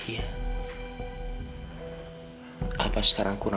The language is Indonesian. harus tukar nunggu nya